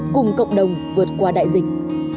cùng cộng đồng vượt qua đại dịch